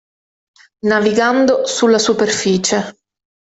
Navigando sulla superficie.